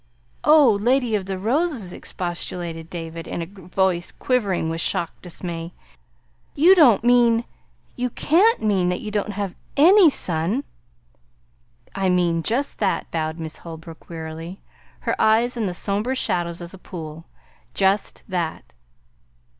"Oh, Lady of the Roses!" expostulated David in a voice quivering with shocked dismay. "You don't mean you can't mean that you don't have ANY sun!" "I mean just that," bowed Miss Holbrook wearily, her eyes on the somber shadows of the pool; "just that!"